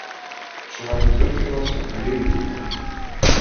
Чуваць не толькі носам, але і вухам.